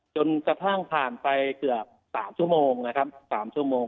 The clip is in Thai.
จนกระทั่งผ่านไปเกือบ๓ชั่วโมง